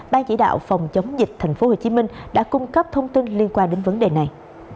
ban chỉ đạo phòng chống dịch tp hcm đã cung cấp thông tin liên quan đến vấn đề này